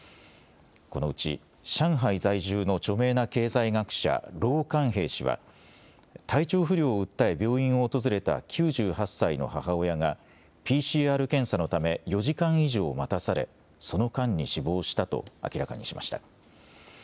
このうち上海在住の著名な経済学者、郎咸平氏は体調不良を訴え病院を訪れた９８歳の母親がＰＣＲ検査のため４時間以上待たされその間に死亡したと明らかにしました。